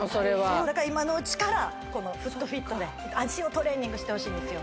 そうだから今のうちからこのＦｏｏｔＦｉｔで脚をトレーニングしてほしいんですよ